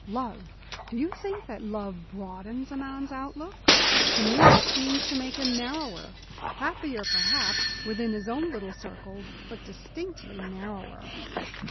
Love do you think that love broadens a man's outlook? To me it seems to make him narrower happier, perhaps, within his own little circle but distinctly narrower.